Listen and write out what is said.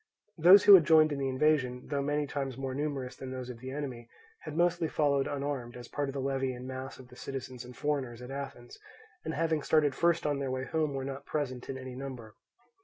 Those who had joined in the invasion, though many times more numerous than those of the enemy, had mostly followed unarmed, as part of the levy in mass of the citizens and foreigners at Athens, and having started first on their way home were not present in any number.